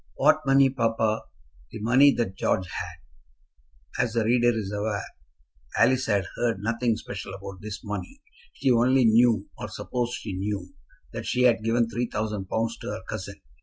"What money, papa?" "The money that George had." As the reader is aware, Alice had heard nothing special about this money. She only knew, or supposed she knew, that she had given three thousand pounds to her cousin.